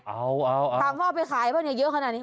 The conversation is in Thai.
เอาเออถามพ่อไปขายบ้านเยอะขนาดนี้